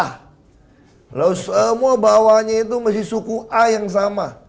loh semua bawahnya itu masih suku a yang sama